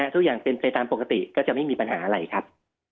ทุกอย่างเป็นไปตามปกติก็จะไม่มีปัญหาอะไรครับ